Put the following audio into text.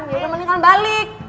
ya mending kalian balik